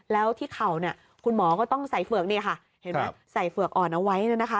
แล้วที่เข่าเนี่ยคุณหมอก็ต้องใส่เฝือกนี่ค่ะเห็นไหมใส่เฝือกอ่อนเอาไว้นะคะ